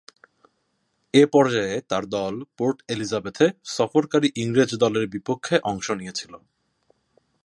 এ পর্যায়ে তার দল পোর্ট এলিজাবেথে সফরকারী ইংরেজ দলের বিপক্ষে অংশ নিয়েছিল।